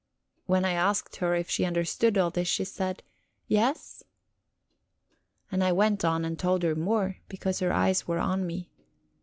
When I asked her if she understood all this, she said, "Yes." And I went on, and told her more, because her eyes were on me.